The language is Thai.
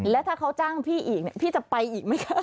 แล้วถ้าเขาจ้างพี่อีกพี่จะไปอีกไหมคะ